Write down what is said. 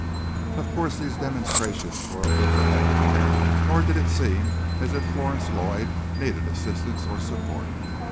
Of course these demonstrations were of little avail, nor did it seem as if Florence Lloyd needed assistance or support.